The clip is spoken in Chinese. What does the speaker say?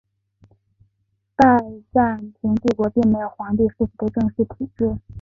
拜占庭帝国并没有皇帝世袭的正式体制。